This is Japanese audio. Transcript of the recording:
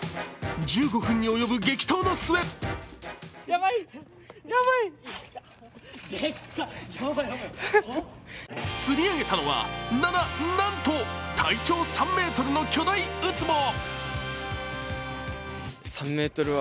１５分に及ぶ激闘の末釣り上げたのは、な、な、なんと体長３ｍの巨大ウツボ。